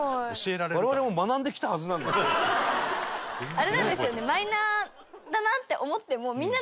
あれなんですよね。